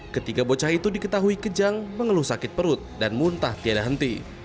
ketiga bocah itu diketahui kejang mengeluh sakit perut dan muntah tiada henti